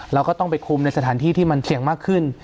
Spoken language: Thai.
เราก็ต้องไปคุมในสถานที่ที่มันเคียงมากขึ้น